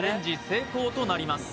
成功となります